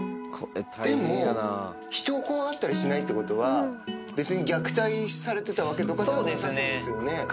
でも、人を怖がったりしないということは、別に虐待されてたわけとかではなさそうですよね。